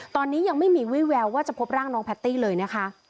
ตอนนี้ยังไม่มีวิแววว่าจะพบร่างน้องแพตตี้เลยนะคะ